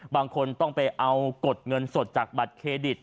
บางคนต้องไปเอากดเงินสดจากบัตรเครดิต